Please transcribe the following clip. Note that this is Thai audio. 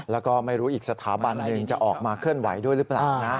แล้วก็ไม่รู้อีกสถาบันหนึ่งจะออกมาเคลื่อนไหวด้วยหรือเปล่านะ